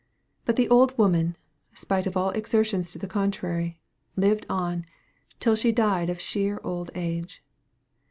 But the old woman, spite of all exertions to the contrary, lived on, till she died of sheer old age.